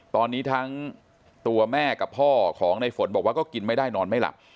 ตอนนี้ทั้งตัวแม่กับพ่อของในฝนบอกว่าก็กินไม่ได้นอนไม่หลับ